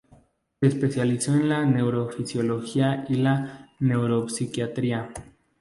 Se especializó en la neurofisiología y neuropsiquiatría.